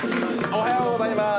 おはようございます。